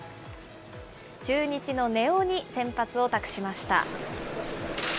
中日の根尾に先発を託しました。